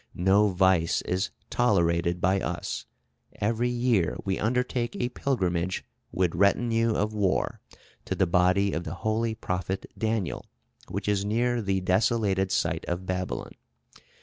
No vice is tolerated by us. Every year we undertake a pilgrimage, with retinue of war, to the body of the holy prophet Daniel, which is near the desolated site of Babylon.